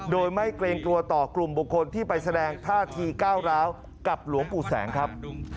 โดยไม่เกรงกลัวต่อกลุ่มบุคคลที่ไปแสดงท่าทีก้าวร้าวกับหลวงปู่แสงครับ